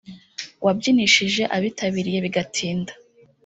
wabyinishije abitabiriye bigatinda